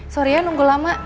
sorry ya nunggu lama